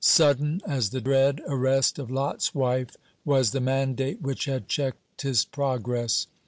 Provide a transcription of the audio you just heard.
Sudden as the dread arrest of Lot's wife was the mandate which had checked his progress.